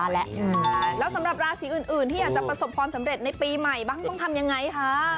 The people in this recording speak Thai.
แล้วสำหรับราศีอื่นที่อยากจะประสบความสำเร็จในปีใหม่บ้างต้องทำยังไงคะ